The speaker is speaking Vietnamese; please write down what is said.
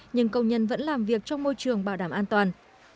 nhưng công nhân vẫn làm việc trong môi trường bảo đảm an toàn